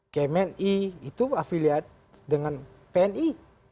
kmni itu afiliat dengan pni